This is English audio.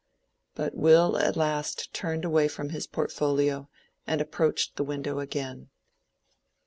But Will at last turned away from his portfolio and approached the window again.